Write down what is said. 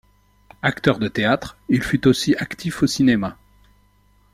Acteur de théâtre, il fut aussi actif au cinéma.